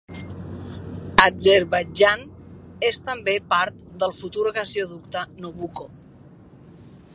Azerbaidjan és també part del futur Gasoducte Nabucco.